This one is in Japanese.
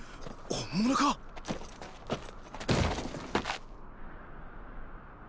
本物かっ⁉